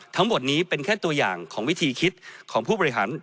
ทั้งหมดนี้เป็นแค่ตัวอย่างของวิธีคิดของผู้บริหาร